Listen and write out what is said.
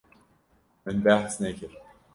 Min behs nekir.